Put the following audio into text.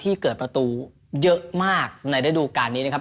เกิดประตูเยอะมากในระดูการนี้นะครับ